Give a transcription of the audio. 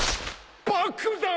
爆弾！？